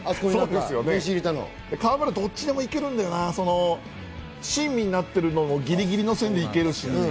河村、どっちもいけるんだよな、親身になってるのもぎりぎりの線で行けるし。